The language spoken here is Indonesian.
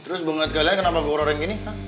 terus bengit kalian kenapa gue orang gini